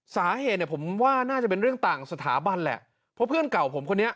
สาเหตุเนี่ยผมว่าน่าจะเป็นเรื่องต่างสถาบันแหละเพราะเพื่อนเก่าผมคนนี้